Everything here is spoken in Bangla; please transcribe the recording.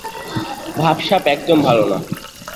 ভাবসাব একদম ভালো না।